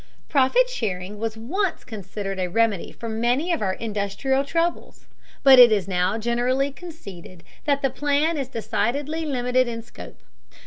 Profit sharing was once considered a remedy for many of our industrial troubles, but it is now generally conceded that the plan is decidedly limited in scope.